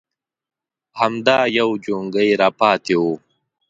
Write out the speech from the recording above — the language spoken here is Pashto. _همدا يو جونګۍ راپاتې و.